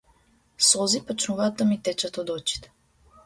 Солзи почнуваат да ми течат од очите.